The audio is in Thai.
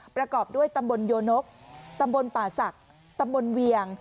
ประกอบด้วยตำบลโยนกตำบลป่าศักดิ์ตำบลเวียง